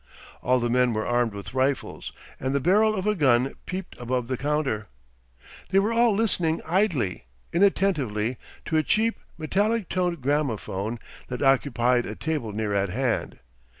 All the men were armed with rifles, and the barrel of a gun peeped above the counter. They were all listening idly, inattentively, to a cheap, metallic toned gramophone that occupied a table near at hand.